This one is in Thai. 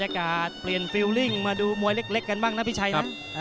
ขึ้นมาดูมวยเล็กกันบ้างนะพี่ชัยนะ